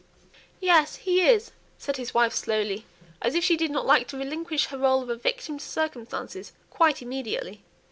"Yes, he is," said his wife, slowly, as if she did not like to relinquish her rÖle of a victim to circumstances quite immediately.